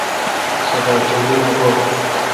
سو ڈاکٹر دی نہ گو° ۔